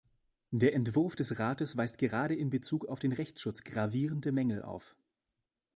Der Entwurf des Rates weist gerade in bezug auf den Rechtsschutz gravierende Mängel auf.